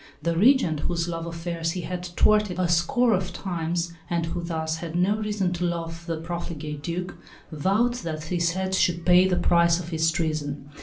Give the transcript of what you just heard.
The Regent, whose love affairs he had thwarted a score of times, and who thus had no reason to love the profligate Duc, vowed that his head should pay the price of his treason.